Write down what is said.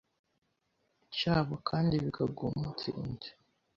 cyabo kandi bakagiumunsinda.